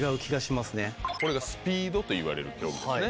これがスピードといわれる競技ですね。